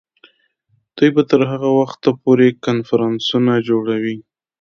دوی به تر هغه وخته پورې کنفرانسونه جوړوي.